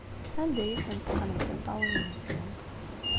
Anda ay asent-teqqnem tiṭṭawin-nsent?